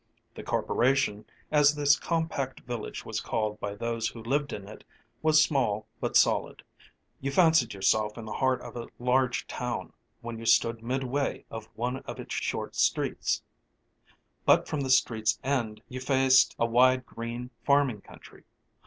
The Corporation, as this compact village was called by those who lived in it, was small but solid; you fancied yourself in the heart of a large town when you stood mid way of one of its short streets, but from the street's end you faced a wide green farming country.